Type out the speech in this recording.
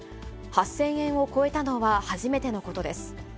８０００円を超えたのは初めてのことです。